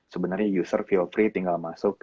sebenarnya user fuel free tinggal masuk